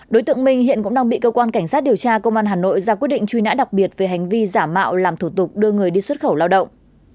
đối tượng minh hiện cũng đang bị cơ quan cảnh sát điều tra công an hà nội ra quyết định truy nã đặc biệt về hành vi giả mạo làm thủ tục đưa người đi xuất khẩu lao động